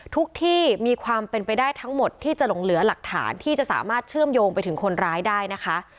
ที่มีความเป็นไปได้ทั้งหมดที่จะหลงเหลือหลักฐานที่จะสามารถเชื่อมโยงไปถึงคนร้ายได้นะคะ